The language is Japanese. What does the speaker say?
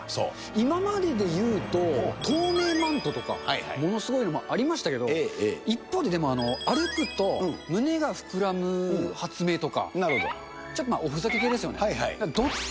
今までで言うと、透明マントとか、ものすごいのもありましたけど、一方ででも、歩くと胸が膨らむ発明とか、ちょっとおふざけ系ですよね。